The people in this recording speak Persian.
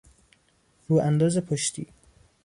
رو انداز پشتی